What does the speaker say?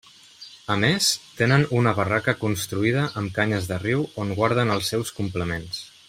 A més, tenen una barraca construïda amb canyes de riu on guarden els seus complements.